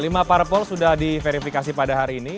lima parpol sudah diverifikasi pada hari ini